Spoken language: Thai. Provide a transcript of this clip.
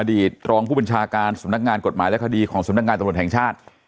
ตรองผู้บัญชาการสำนักงานกฎหมายและคดีของสำนักงานตำรวจแห่งชาติ